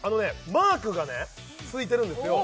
マークがねついてるんですよ